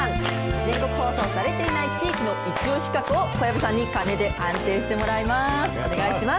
全国放送されていない地域の一押し企画を、小籔さんに鐘で判定してもらいます。